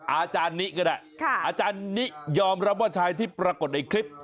อาจารย์นิก็ได้อาจารย์นิยอมรับว่าชายที่ปรากฏในคลิป